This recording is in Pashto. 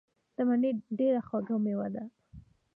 مڼې ډیره خوږه میوه ده.